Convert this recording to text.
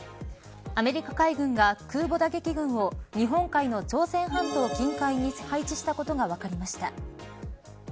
アメリカ海軍が、空母打撃群を日本海の朝鮮半島近海に配置したことが分かりました。